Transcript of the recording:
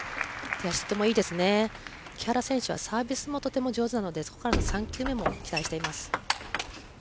木原選手はサービスもとても上手なので３球目も期待しています。